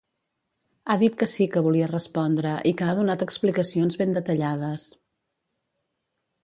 Ha dit que sí que volia respondre i que ha donat explicacions ben detallades.